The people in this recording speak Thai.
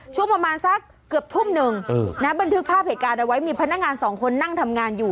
ช่วงประมาณสักเกือบทุ่มหนึ่งบันทึกภาพเหตุการณ์เอาไว้มีพนักงานสองคนนั่งทำงานอยู่